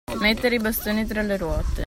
Mettere i bastoni tra le ruote.